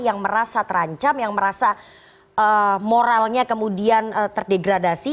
yang merasa terancam yang merasa moralnya kemudian terdegradasi